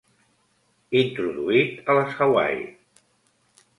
Introduït a les Hawaii.